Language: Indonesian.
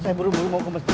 saya buru buru mau ke masjid